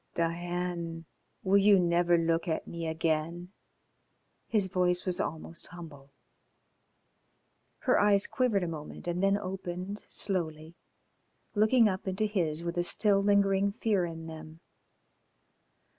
"Diane, will you never look at me again?" His voice was almost humble. Her eyes quivered a moment and them opened slowly, looking up into his with a still lingering fear in them.